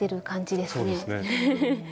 そうですね。